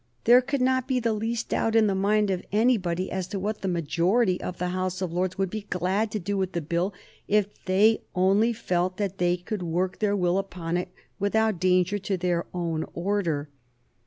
There could not be the least doubt in the mind of anybody as to what the majority of the House of Lords would be glad to do with the Bill if they only felt sure that they could work their will upon it without danger to their own order.